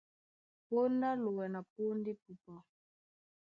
Póndá á lowɛ na póndá epupa.